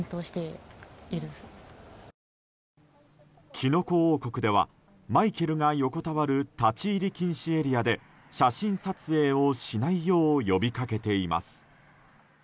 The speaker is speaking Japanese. きのこ王国では、マイケルが横たわる立ち入り禁止エリアで写真撮影をしないよう呼びかけています。